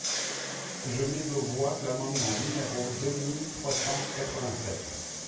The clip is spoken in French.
Je mets aux voix l’amendement numéro deux mille trois cent quatre-vingt-seize.